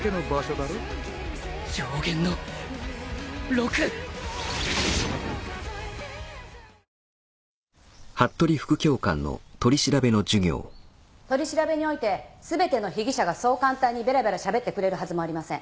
僕もサントリー「ＶＡＲＯＮ」取り調べにおいて全ての被疑者がそう簡単にべらべらしゃべってくれるはずもありません。